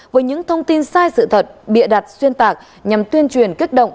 với những thông tin sai sự thật bịa đặt xuyên tạc nhằm tuyên truyền kích động